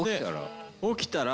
起きたら？